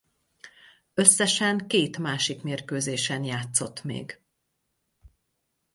Összesen két másik mérkőzésen játszott még.